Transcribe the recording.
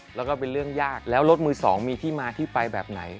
แล้วก็เป็นเรื่องยากแล้วรถมือสองมีที่มาที่ไปแบบไหน